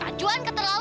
kak juan keterlaluan